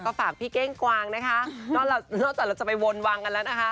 ฝากพี่เก้งกวางนะคะก็นอกจากเราจะไปวนวางกันแล้วนะคะ